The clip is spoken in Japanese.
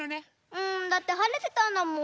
うんだってはれてたんだもん。